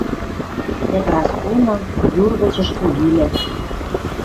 Дӓ Праскона, юр вычыш кугилӓ.